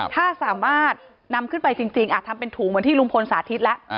ถ้าสามารถนำขึ้นไปจริงทำเป็นถุงเหมือนที่ลุงพลสาธิตแล้ว